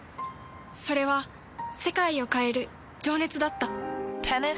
それは世界を変える情熱だった。